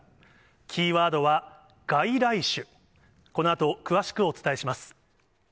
キーワードは、外来種。